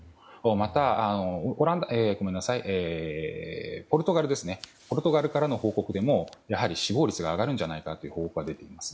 また、ポルトガルからの報告でも死亡率が上がるのではないかという報告が出ています。